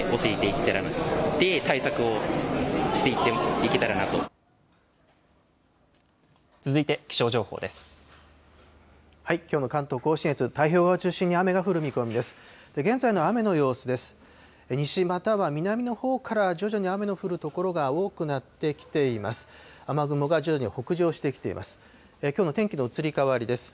きょうの関東甲信越、太平洋側を中心に、雨が降る見込みです。